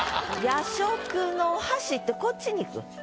「夜食の箸」ってこっちに行く。